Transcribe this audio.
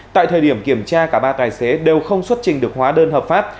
tại thời điểm kiểm tra cả ba tài xế đều không xuất trình được hóa đơn hợp pháp